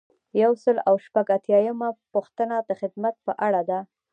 یو سل او شپږ اتیایمه پوښتنه د خدمت په اړه ده.